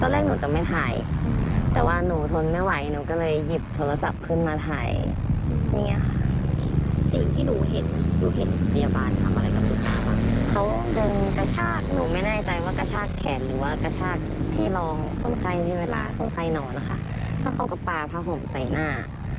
แล้วเขาก็ดึงห่วงคุณตาขึ้นมาแล้วเอาผ้าห่มยัด